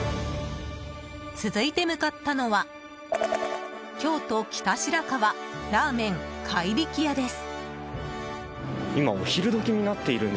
続いて向かったのは京都北白川ラーメン魁力屋です。